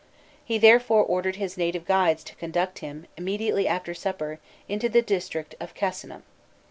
He therefore ordered his native guides to conduct him, immediately after supper, into the district of Casinum.